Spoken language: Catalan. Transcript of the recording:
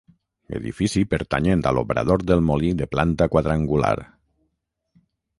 Edifici pertanyent a l'obrador del molí de planta quadrangular.